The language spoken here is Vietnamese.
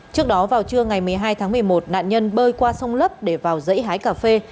trước đó vào trưa ngày một mươi hai tháng một mươi một nạn nhân bơi qua sông lấp để vào dãy hái cà phê